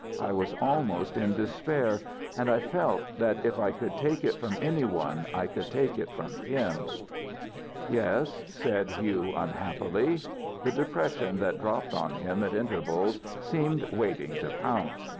I was almost in despair. And I felt that if I could take it from any one I could take it from him ..." "Yes," said Hugh, unhappily. The depression that dropped on him at intervals seemed waiting to pounce.